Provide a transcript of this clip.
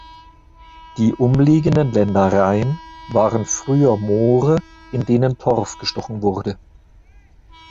Die umliegenden Ländereien waren früher Moore, in denen Torf gestochen wurde.